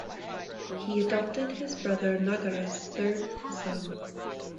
He adopted his brother Nagara's third son.